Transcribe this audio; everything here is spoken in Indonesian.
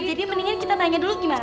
jadi mendingan kita tanya dulu gimana